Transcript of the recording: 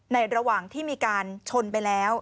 ระหว่างที่มีการชนไปแล้ว